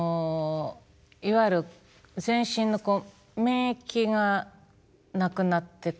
いわゆる全身の免疫がなくなってくる。